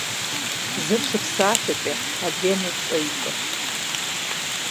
Зыр щыпсалъэкӀэ - адрейм ӀупщӀэ ищӀырт.